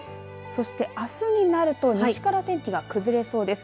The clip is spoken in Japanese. そして、あすになると西から天気が崩れそうです。